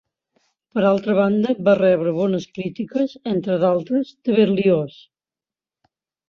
Per altra banda va rebre bones crítiques, entre d'altres de Berlioz.